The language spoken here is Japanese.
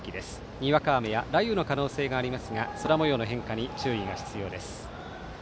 にわか雨や雷雨の可能性がありますが空もようの変化に注意が必要です。